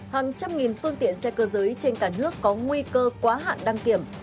hàng trăm nghìn phương tiện xe cơ giới trên cả nước có nguy cơ quá hạn đăng kiểm